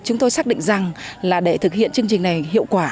chúng tôi xác định rằng là để thực hiện chương trình này hiệu quả